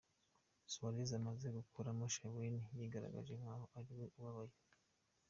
Suarez amaze kuruma Chiellini yigaragaje nk’aho ari we ubabaye.